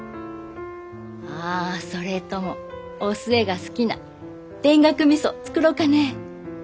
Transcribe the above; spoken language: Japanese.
あそれともお寿恵が好きな田楽みそ作ろうかねえ。